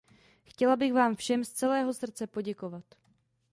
Chtěla bych vám všem z celého srdce poděkovat.